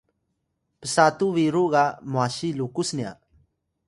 psatu biru ga mwasi lukus nya